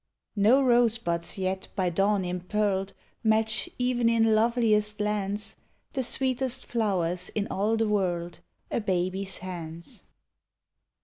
No rosebuds yet by dawn im pearled Match, even in loveliest lands, The sweetest flowers in all the world — A baby's hands.